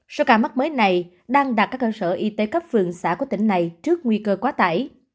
số ca mắc mới này đang đặt các cơ sở y tế cấp phường xã của tỉnh này trước nguy cơ quá tải